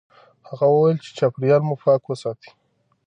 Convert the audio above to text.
هغه وویل چې چاپیریال مو پاک وساتئ.